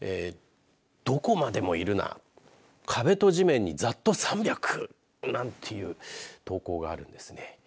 どこまでもいるな壁と地面にざっと３００なんていう投稿があるんですね。